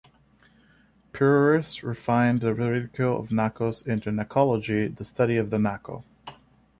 "Pirrurris" refined the ridicule of nacos into "nacology", the study of the "naco".